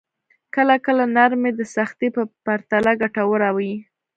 کله کله نرمي د سختۍ په پرتله ګټوره وي.